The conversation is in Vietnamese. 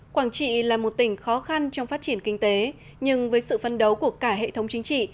quảng trị là một tỉnh khó khăn trong phát triển kinh tế nhưng với sự phân đấu của cả hệ thống chính trị